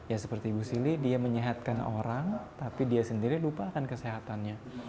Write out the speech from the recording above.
ya seperti ibu silly dia menyehatkan orang tapi dia sendiri lupakan kesehatannya